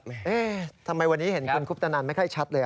ทำไมวันนี้เห็นคุณคุปตนันไม่ค่อยชัดเลย